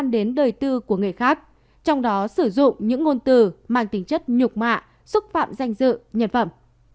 đến đời tư của người khác trong đó sử dụng những ngôn từ mang tính chất nhục mạ xúc phạm danh dự nhân phẩm